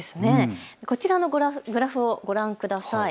こちらのグラフをご覧ください。